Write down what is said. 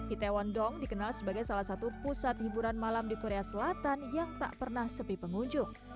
itaewon dong dikenal sebagai salah satu pusat hiburan malam di korea selatan yang tak pernah sepi pengunjung